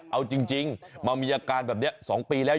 เอาจริงมามีอาการแบบนี้๒ปีแล้ว